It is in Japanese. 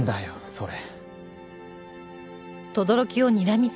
それ。